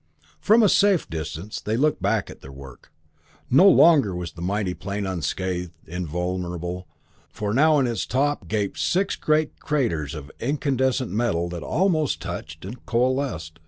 From a safe distance they looked back at their work. No longer was the mighty plane unscathed, invulnerable, for now in its top gaped six great craters of incandescent metal that almost touched and coalesced.